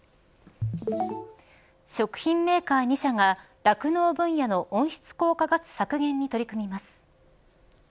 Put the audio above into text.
食品メーカー２社が酪農分野の温室効果ガス削減に取り組みます。